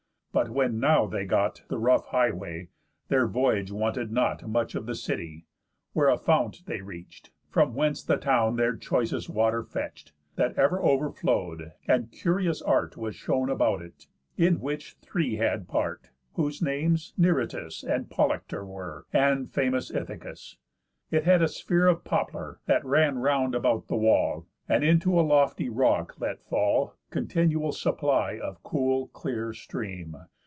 But when now they got The rough highway, their voyage wanted not Much of the city, where a fount they reach'd, From whence the town their choicest water fetch'd, That ever overflow'd, and curious art Was shown about it; in which three had part Whose names Neritus and Polyctor were, And famous Ithacus. It had a sphere Of poplar, that ran round about the wall; And into it a lofty rock let fall Continual supply of cool clear stream.